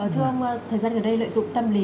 thưa ông thời gian gần đây lợi dụng tâm lý